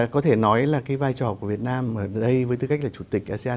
có thể nói là cái vai trò của việt nam ở đây với tư cách là chủ tịch asean